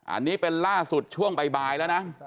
อันนี้เป็นล่าสุดช่วงบ่ายแล้วนะ